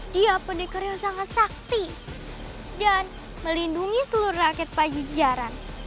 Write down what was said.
dia pendekar yang sangat sakti dan melindungi seluruh rakyat pajejaran